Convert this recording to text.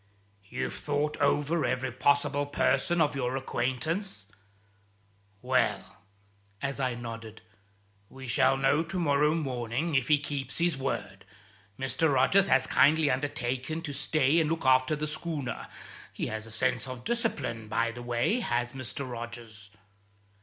"You've thought over every possible person of your acquaintance? Well" as I nodded "we shall know to morrow morning, if he keeps his word. Mr. Rogers has kindly undertaken to stay and look after the schooner. He has a sense of discipline, by the way, has Mr. Rogers."